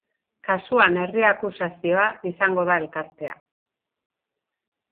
Kasuan herri akusazioa izango da elkartea.